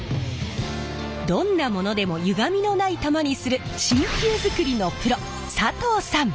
どんなものでもゆがみのない球にする真球づくりのプロ佐藤さん！